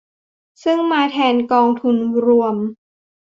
ซึ่งมาแทนกองทุนรวม